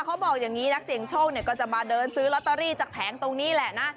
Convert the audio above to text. เขาบอกอย่างนี้นักเสี่ยงโชคเนี่ยก็จะมาเดินซื้อลอตเตอรี่จากแผงตรงนี้แหละนะ